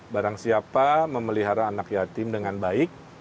barang siapa memelihara anak yatim dengan baik